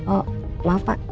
oh maaf pak